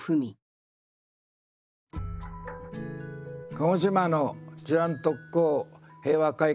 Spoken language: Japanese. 鹿児島の知覧特攻平和会館。